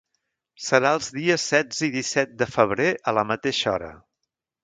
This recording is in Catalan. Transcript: Serà els dies setze i disset de febrer a la mateixa hora.